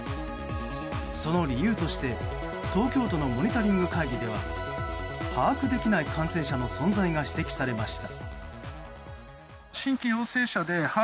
その理由として東京都のモニタリング会議で把握できない感染者の存在が指摘されました。